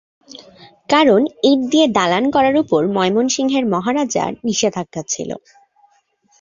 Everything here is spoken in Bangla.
কারণ ইট দিয়ে দালান করার উপর ময়মনসিংহের মহারাজা নিষেধাজ্ঞা ছিল।